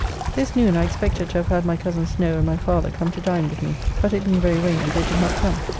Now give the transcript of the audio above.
This noon I expected to have had my cousin Snow and my father come to dine with me, but it being very rainy they did not come.